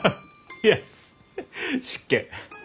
いや失敬。